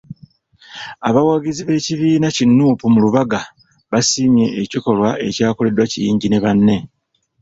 Abawagizi b'ekibiina ki Nuupu mu Lubaga basiimye ekikolwa ekyakoleddwa Kiyingi ne banne.